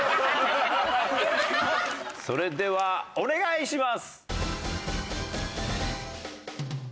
それではお願いします！